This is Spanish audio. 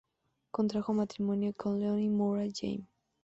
Contrajo matrimonio con Leonie Moura Jaime.